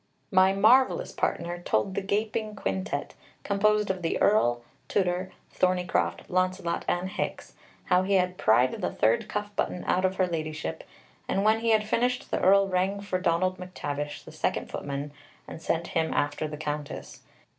My marvelous partner told the gaping quintette, composed of the Earl, Tooter, Thorneycroft, Launcelot, and Hicks, how he had pried the third cuff button out of Her Ladyship, and when he had finished the Earl rang for Donald MacTavish, the second footman, and sent him after the Countess.